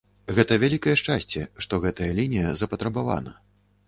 Гэта вялікае шчасце, што гэтая лінія запатрабавана.